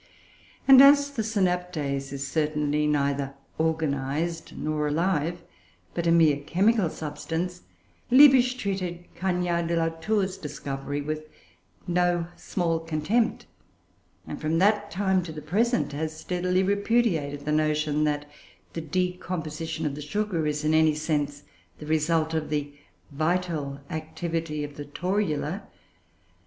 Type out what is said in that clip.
And as the synaptase is certainly neither organized nor alive, but a mere chemical substance, Liebig treated Cagniard de la Tour's discovery with no small contempt, and, from that time to the present, has steadily repudiated the notion that the decomposition of the sugar is, in any sense, the result of the vital activity of the Torula.